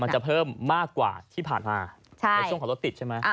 จะเพิ่มมากกว่าที่ผ่านมาในช่วงของรถติดใช่ไหม